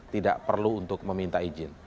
tidak perlu untuk meminta izin